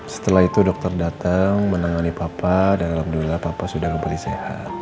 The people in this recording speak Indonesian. setelah itu dokter datang menangani papa dan alhamdulillah papa sudah kembali sehat